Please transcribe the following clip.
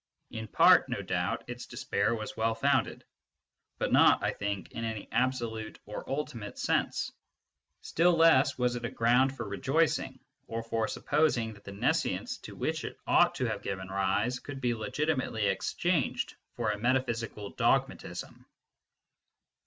In part, no doubt, its despair was well founded, but not, I think, in any absolute or ultimate sense. Still less was it a ground for rejoicing, or for supposing that the nescience to which it ought to have given rise could be legitimately exchanged for a meta physical dogmatism.